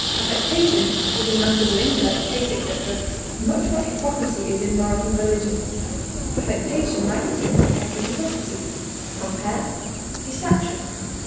Affectation is in matters of intellect, taste, etc., much what hypocrisy is in morals and religion; affectation might be termed petty hypocrisy. Compare DECEPTION.